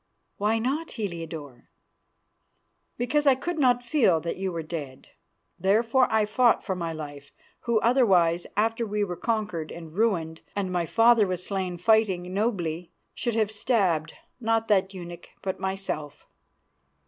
"Why not, Heliodore?" "Because I could not feel that you were dead. Therefore I fought for my life, who otherwise, after we were conquered and ruined and my father was slain fighting nobly, should have stabbed, not that eunuch, but myself.